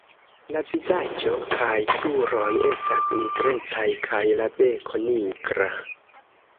La vizaĝo kaj kruroj estas nigrecaj kaj la beko nigra.